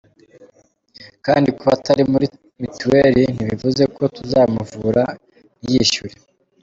Kandi kuba atari muri mituel ntibivuze ko tuzamuvura ntiyishyure”.